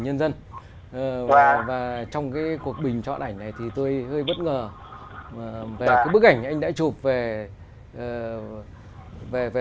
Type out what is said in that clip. nhân dân và trong cái cuộc bình chọn ảnh này thì tôi hơi bất ngờ về bức ảnh anh đã chụp về về về